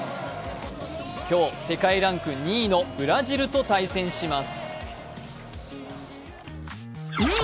今日、世界ランク２位のブラジルと対戦します。